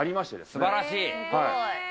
すばらしい。